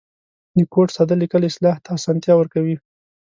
د کوډ ساده لیکل اصلاح ته آسانتیا ورکوي.